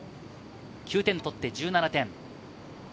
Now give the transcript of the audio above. ９点を取って１７点。